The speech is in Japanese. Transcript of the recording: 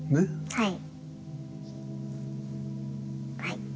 はい。